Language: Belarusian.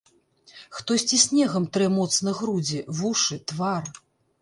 Хтосьці снегам трэ моцна грудзі, вушы, твар.